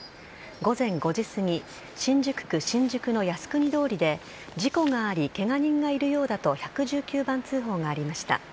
午前５時すぎ新宿区新宿の靖国通りで事故がありケガ人がいるようだと１１９番通報がありました。